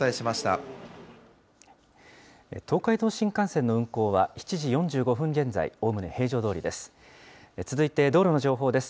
東海道新幹線の運行は、７時４５分現在、おおむね平常どおりです。